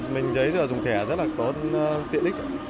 mình thấy dùng thẻ rất là có tiện đích